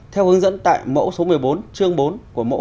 theo hướng dẫn tại mẫu số một mươi bốn chương bốn của mẫu